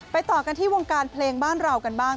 ต่อกันที่วงการเพลงบ้านเรากันบ้าง